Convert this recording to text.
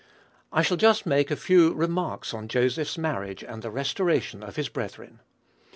I shall just make a few remarks on Joseph's marriage and the restoration of his brethren.